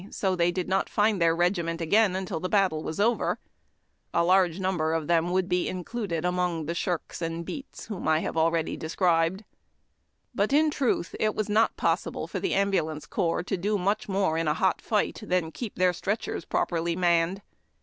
so that they did not find their regi ment again until after the battle was over. A large number of them would be included among the Shirks and Beats, HOSPITALS AND AMBULANCES. 313 whom I have already described. But, in truth, it was not possible for the ambulance corps to do much more in a hot fight than to keep their stretchers properly manned.